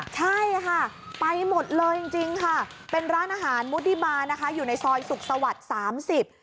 ใช่ค่ะไปหมดเลยจริงจริงค่ะเป็นร้านอาหารมุติบาลนะคะอยู่ในซอยสุขสวรรค์สามสิบ